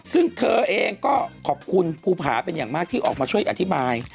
ซึ่งเธอเองก็ขอบคุณภูผาเป็นอย่างมากที่ออกมาช่วยอธิบาย